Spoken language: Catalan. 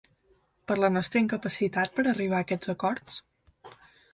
Per la nostra incapacitat per a arribar a aquests acords?